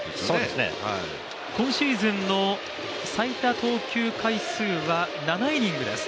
今シーズンの最多投球回数は７イニングです。